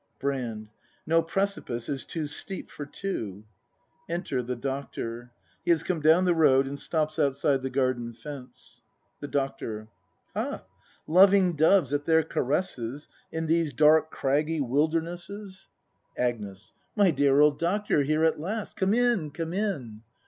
Brand. No precipice is too steep for two. E7iter the Doctor; he has come down the road, and stops outside the garden fence. The Doctor. Ha! loving doves at their caresses In these dark craggy wildernesses? 110 BRAND [act m Agnes. My dear old Doctor, here at last! Come in, come in!